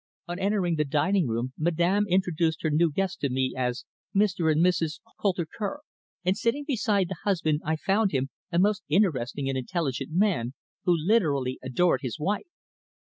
On entering the dining room, Madame introduced her new guests to me as Mr. and Mrs. Coulter Kerr, and sitting beside the husband I found him a most interesting and intelligent man, who literally adored his wife.